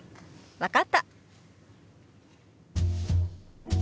分かった。